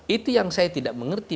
itu yang saya tidak mengerti